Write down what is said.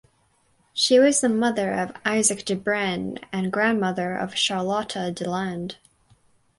She was the mother of Isaac de Broen and grandmother of Charlotta Deland.